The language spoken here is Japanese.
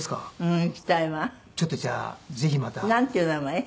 ちょっとじゃあぜひまた。